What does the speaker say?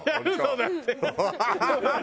だって。